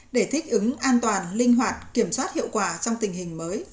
để thích ứng an toàn linh hoạt kiểm soát hiệu quả trong tình hình mới